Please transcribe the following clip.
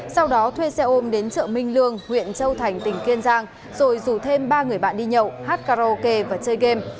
sau đó thuê xe ôm đến chợ minh lương huyện châu thành tỉnh kiên giang rồi rủ thêm ba người bạn đi nhậu hát karaoke và chơi game